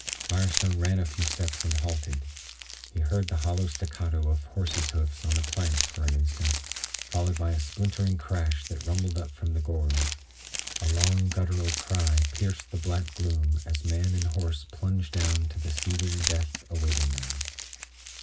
Mirestone ran a few steps and halted. He heard the hollow staccato of horse's hoofs on the planks for an instant, followed by a splintering crash that rumbled up from the gorge. A long, guttural cry pierced the black gloom as man and horse plunged down to the seething death awaiting them.